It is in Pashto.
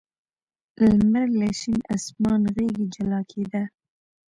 لمر له شین اسمان غېږې جلا کېده.